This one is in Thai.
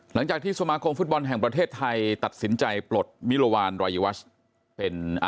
หลังจากที่สมาคมฟุตบอลแห่งประเทศไทยตัดสินใจปลดมิลวานรายวัชเป็น